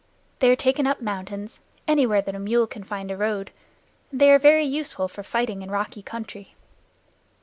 They are taken up mountains, anywhere that a mule can find a road, and they are very useful for fighting in rocky country.